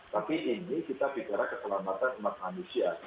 tapi ini kita bicara keselamatan umat manusia